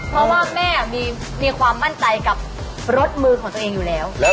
เพราะว่าแม่มีความมั่นใจกับรถมือของตัวเองอยู่แล้ว